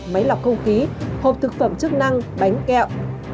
máy lọc không khí hộp thực phẩm chức năng bánh kẹo